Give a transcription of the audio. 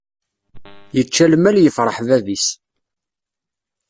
Yečča lmal yefṛeḥ bab-is.